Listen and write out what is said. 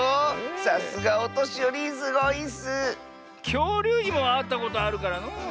きょうりゅうにもあったことあるからのう。